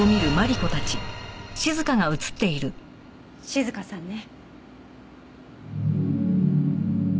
静香さんね。